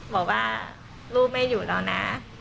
บอกว่าลูกไม่อยู่แล้วนะ